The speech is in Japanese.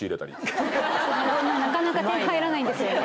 なかなか手に入らないんですよね。